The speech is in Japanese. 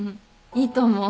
いいと思う。